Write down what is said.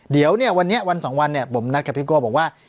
เดี๋ยวเนี่ยวันนี้วันสองวันเนี่ยผมนัดกับพี่โก้บอกว่า